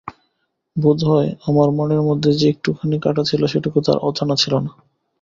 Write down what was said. বোধ হয় আমার মনের মধ্যে যে একটুখানি কাঁটা ছিল সেটুকু তাঁর অজানা ছিল না।